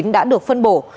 đã được phân bổ